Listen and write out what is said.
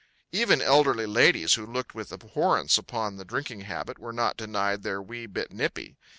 Even elderly ladies who looked with abhorrence upon the drinking habit were not denied their wee bit nippy.